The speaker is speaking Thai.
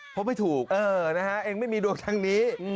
พบให้ถูกเออนะฮะเอ็งไม่มีดวงทางนี้